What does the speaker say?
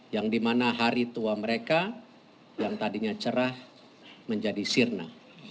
yang dimana hari tua mereka yang tadinya cerah menjadi sirna